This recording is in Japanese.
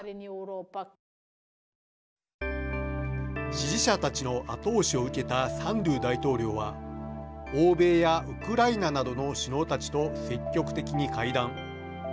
支持者たちの後押しを受けたサンドゥ大統領は欧米やウクライナなどの首脳たちと積極的に会談。